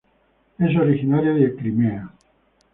Es originaria de Crimea.